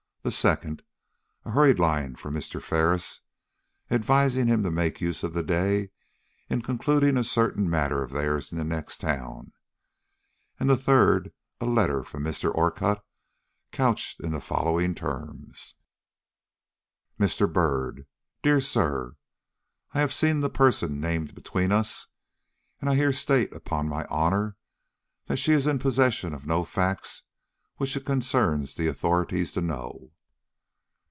The second, a hurried line from Mr. Ferris, advising him to make use of the day in concluding a certain matter of theirs in the next town; and the third, a letter from Mr. Orcutt, couched in the following terms: MR. BYRD: Dear Sir I have seen the person named between us, and I here state, upon my honor, that she is in possession of no facts which it concerns the authorities to know.